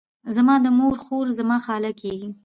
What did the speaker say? زما د مور خور، زما خاله کیږي.